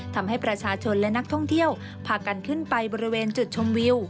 ทำให้ประชาชนและนักท่องเที่ยวพากันขึ้นไปบริเวณจุดชมวิว